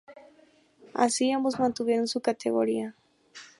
Así, ambos mantuvieron su categoría.